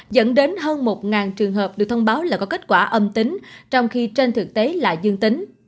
dẫn đến hơn một trường hợp được thông báo là có kết quả âm tính trong khi trên thực tế là dương tính